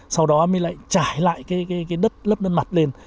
sau đó mới lại trải lại cái đất lấp đất mặt lên